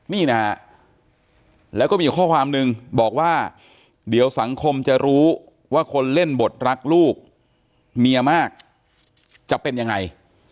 นี่นะฮะแล้วก็มีข้อความนึงบอกว่าเดี๋ยวสังคมจะรู้ว่าคนเล่นบทรักลูกเมียมากจะเป็นยังไง